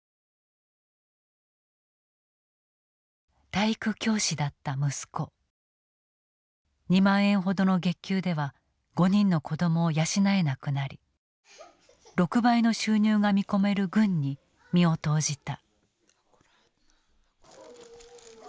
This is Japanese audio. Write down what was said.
体育教師だった息子２万円ほどの月給では５人の子供を養えなくなり６倍の収入が見込める軍に身を投じた。